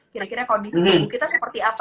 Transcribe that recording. kira kira kondisi tubuh kita seperti apa